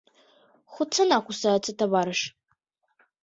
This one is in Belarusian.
Хоць цана кусаецца, таварыш.